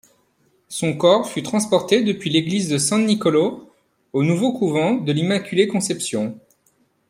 Son corps fut transporté depuis l'église de San Niccolo au nouveau couvent de l'Immaculée-Conception.